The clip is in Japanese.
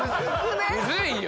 むずいよ！